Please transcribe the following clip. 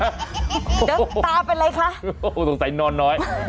เดินตาเป็นไรคะโอ้โหสงสัยนอนน้อย